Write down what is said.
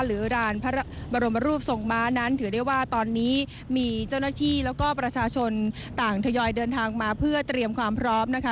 หรือรานพระบรมรูปทรงม้านั้นถือได้ว่าตอนนี้มีเจ้าหน้าที่แล้วก็ประชาชนต่างทยอยเดินทางมาเพื่อเตรียมความพร้อมนะคะ